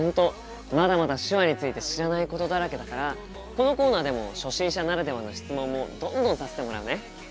まだまだ手話について知らないことだらけだからこのコーナーでも初心者ならではの質問もどんどんさせてもらうね。